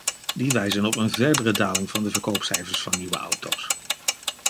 Die wijzen op een verdere daling van de verkoopcijfers van nieuwe auto's.